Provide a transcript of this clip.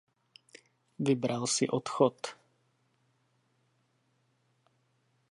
Vybral si odchod.